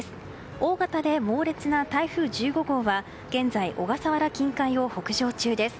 大型で猛烈な台風１５号は現在、小笠原近海を北上中です。